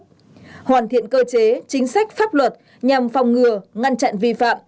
tổ chức hoàn thiện cơ chế chính sách pháp luật nhằm phòng ngừa ngăn chặn vi phạm